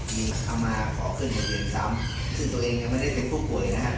มีเอามาขอขึ้นทะเบียนซ้ำซึ่งตัวเองยังไม่ได้เป็นผู้ป่วยนะฮะ